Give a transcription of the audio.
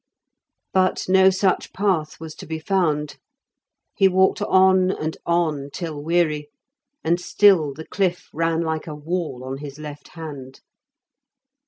But no such path was to be found; he walked on and on till weary, and still the cliff ran like a wall on his left hand.